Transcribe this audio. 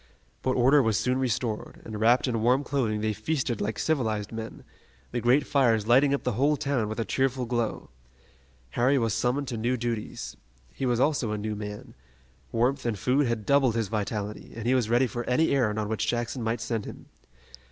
But order was soon restored, and wrapped in warm clothing they feasted like civilized men, the great fires lighting up the whole town with a cheerful glow. Harry was summoned to new duties. He was also a new man. Warmth and food had doubled his vitality, and he was ready for any errand on which Jackson might send him.